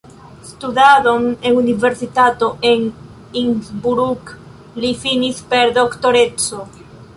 Studadon en universitato en Innsbruck li finis per doktoreco.